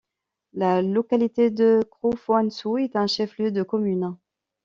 La localité de Krofoinsou est un chef-lieu de commune.